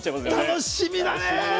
楽しみだね！